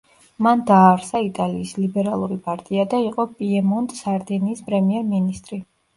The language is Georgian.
მან დააარსა იტალიის ლიბერალური პარტია და იყო პიემონტ-სარდინიის პრემიერ-მინისტრი.